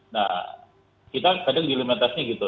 nah kita kadang gilimeternya gitu